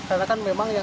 karena kan memang yang